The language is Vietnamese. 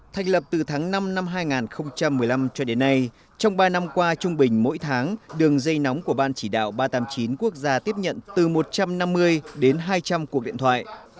thành lập từ tháng năm năm hai nghìn một mươi năm cho đến nay trong ba năm qua trung bình mỗi tháng đường dây nóng của ban chỉ đạo ba trăm tám mươi chín quốc gia tiếp nhận từ một trăm năm mươi đến hai trăm linh cuộc điện thoại